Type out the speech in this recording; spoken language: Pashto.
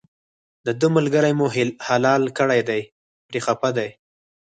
دده ملګری مو حلال کړی دی پرې خپه دی.